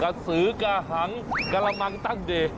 กะสือกะหังกระละมังตั้งดี